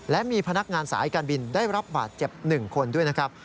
และมีพนักงานสายการบินได้รับบาดเจ็บ๑คนด้วยนะครับ